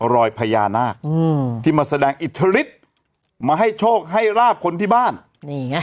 รอยพญานาคอืมที่มาแสดงอิทธิฤทธิ์มาให้โชคให้ราบคนที่บ้านนี่ไง